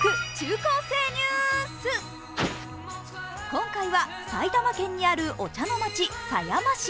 今回は埼玉県にあるお茶の街・狭山市。